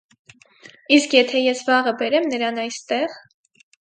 - Իսկ եթե ես վաղը բերեմ նրան այստեղ: